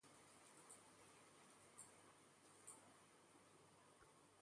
Ella fue la primera investigadora en describir las bases cromosómicas que determinan el sexo.